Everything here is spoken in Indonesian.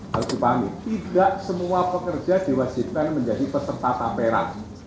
harus dipahami tidak semua pekerja diwajibkan menjadi peserta tapera